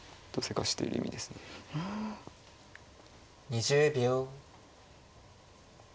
２０秒。